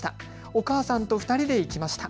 お母さんと２人で行きました。